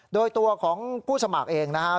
โดยตัวของผู้สมัครเองนะครับ